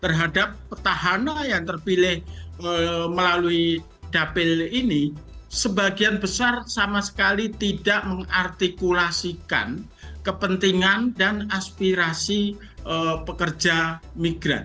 terhadap petahana yang terpilih melalui dapil ini sebagian besar sama sekali tidak mengartikulasikan kepentingan dan aspirasi pekerja migran